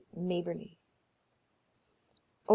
Maberly; op.